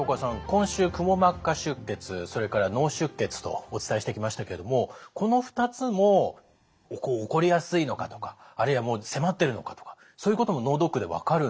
今週くも膜下出血それから脳出血とお伝えしてきましたけれどもこの２つも起こりやすいのかとかあるいはもう迫ってるのかとかそういうことも脳ドックで分かるんですか？